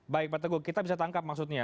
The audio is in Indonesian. baik pak teguh kita bisa tangkap maksudnya